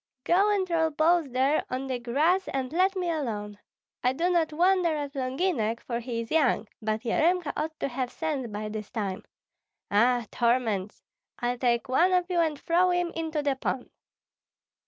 Go and roll balls there on the grass and let me alone! I do not wonder at Longinek, for he is young; but Yaremka ought to have sense by this time. Ah, torments! I'll take one of you and throw him into the pond."